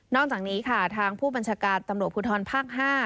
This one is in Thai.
อกจากนี้ค่ะทางผู้บัญชาการตำรวจภูทรภาค๕